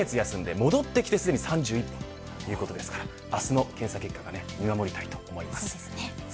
今シーズン２カ月休んで戻ってきて３１本ということですから明日の検査結果を見守りたいと思います。